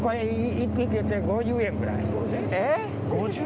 １匹５０円くらい。